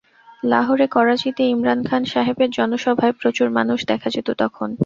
লাহোরে, করাচিতে ইমরান খান সাহেবের জনসভায় প্রচুর মানুষ দেখা যেত তখন।